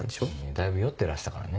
だいぶ酔ってらしたからね。